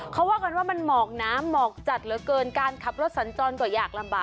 เขาว่ากันว่ามันหมอกน้ำหมอกจัดเหลือเกินการขับรถสัญจรก็อยากลำบาก